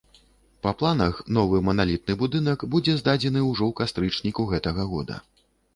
Па планах, новы маналітны будынак будзе здадзены ўжо ў кастрычніку гэтага года.